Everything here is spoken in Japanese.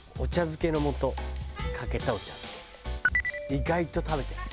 意外と食べてない。